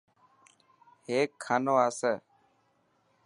هيڪ کانو آسي.